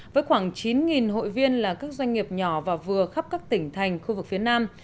với khoảng chín hội viên là các doanh nghiệp nhỏ và vừa khắp các tỉnh thành khu vực phía nam